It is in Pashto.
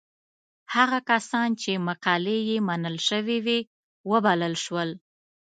هغه کسان چې مقالې یې منل شوې وې وبلل شول.